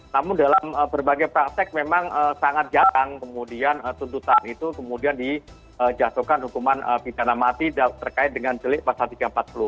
namun dalam berbagai praktek memang sangat jarang kemudian tuntutan itu kemudian dijatuhkan hukuman pidana mati terkait dengan jelik pasal tiga ratus empat puluh